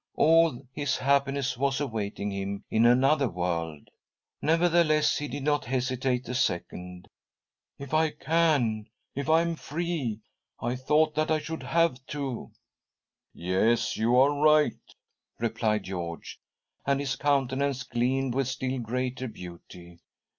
All his happiness was awaiting, him in another world ! Nevertheless, he did not hestitate a second. " If I can — if I am free. I. thought that I should have to "" Yes, you are right," replied George, and his countenance gleamed with still greater beauty.